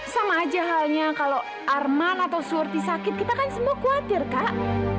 sama aja halnya kalau arman atau surti sakit kita kan semua khawatir kak